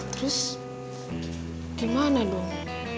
terus gimana dong